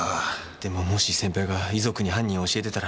でももし先輩が遺族に犯人教えてたら？